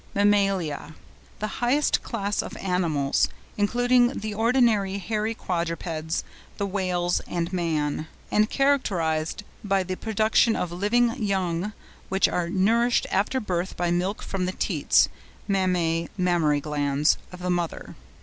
MAMMALIA.—The highest class of animals, including the ordinary hairy quadrupeds, the whales and man, and characterised by the production of living young which are nourished after birth by milk from the teats (Mammæ, Mammary glands) of the mother.